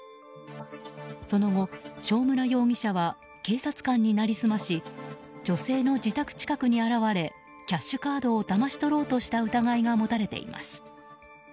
その後、正村容疑者は警察官になりすまし女性の自宅近くに現れキャッシュカードをだまし取ろうとした疑いが持たれています。